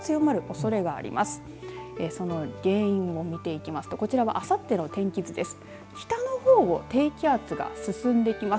その原因を見ていきますとこちらはあさっての天気図です。